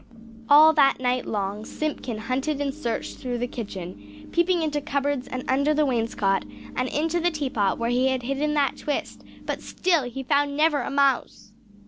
All that night long Simpkin hunted and searched through the kitchen, peeping into cupboards and under the wainscot, and into the tea pot where he had hidden that twist; but still he found never a mouse!